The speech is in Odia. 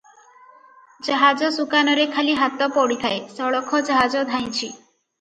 ଜାହାଜ ସୁକାନରେ ଖାଲି ହାତ ପଡ଼ିଥାଏ, ସଳଖ ଜାହାଜ ଧାଇଁଛି ।